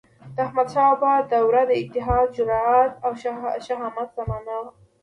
د احمدشاه بابا دور د اتحاد، جرئت او شهامت زمانه وه.